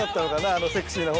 あのセクシーな方に。